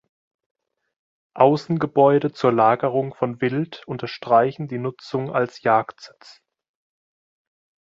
Außengebäude zur Lagerung von Wild unterstreichen die Nutzung als Jagdsitz.